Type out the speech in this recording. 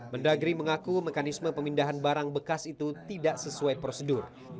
mendagri mengaku mekanisme pemindahan barang bekas itu tidak sesuai prosedur